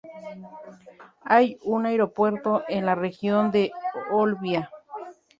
Hay un aeropuerto en la región de Olbia.